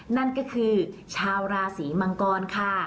นั่นก็คือชาวราศีมังกรค่ะ